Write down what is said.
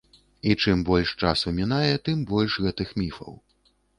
І чым больш часу мінае, тым больш гэтых міфаў.